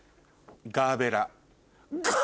ガーベラ！